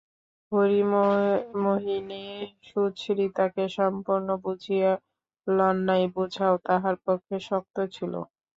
হরিমোহিনী সুচরিতাকে সম্পূর্ণ বুঝিয়া লন নাই, বোঝাও তাঁহার পক্ষে শক্ত ছিল।